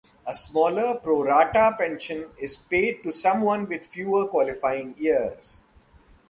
A smaller, pro-rata, pension is paid to someone with fewer qualifying years.